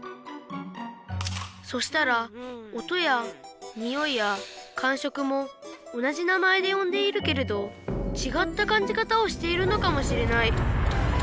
そしたら音やにおいやかんしょくも同じ名前でよんでいるけれどちがったかんじかたをしているのかもしれない。